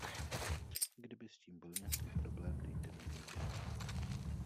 Kdyby s tím byl nějaký problém, dejte mi vědět.